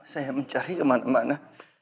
saya mencari kemana mana